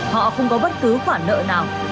họ không có bất cứ khoản nợ nào